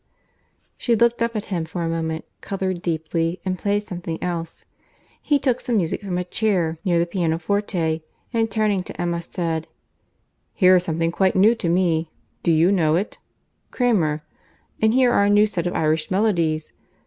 She looked up at him for a moment, coloured deeply, and played something else. He took some music from a chair near the pianoforte, and turning to Emma, said, "Here is something quite new to me. Do you know it?—Cramer.—And here are a new set of Irish melodies.